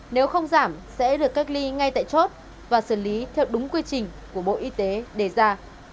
nếu không giảm sẽ được cách ly ngay tại chốt và xử lý theo đúng quy trình của bộ y tế đề ra